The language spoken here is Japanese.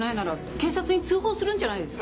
警察に通報するんじゃないですか？